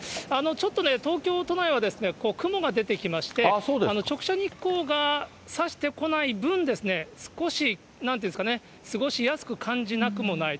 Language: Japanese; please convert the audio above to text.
ちょっとね、東京都内は雲が出てきまして、直射日光がさしてこない分、少し、なんていうんですかね、過ごしやすく感じなくもない。